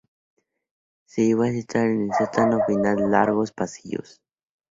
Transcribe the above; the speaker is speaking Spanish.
Se llegó a situar en el sótano o al final de largos pasillos.